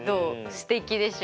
すてきでしょ。